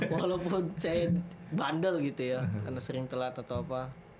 walaupun saya bandel gitu ya karena sering telat atau apa